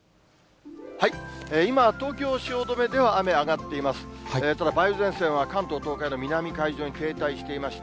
今、東京・汐留では雨上がっています。